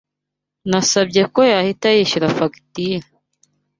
Nasabye ko yahita yishyura fagitire.